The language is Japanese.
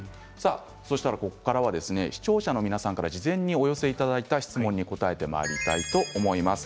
ここからは視聴者の皆さんから事前にお寄せいただいた質問に答えてまいります。